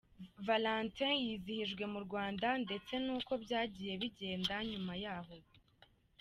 Valentin yizihijwe mu Rwanda ndetse n’uko byagiye bigenda nyuma y’aho”.